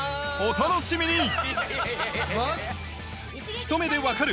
お楽しみに！